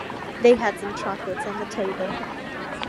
They had some chocolates on the table.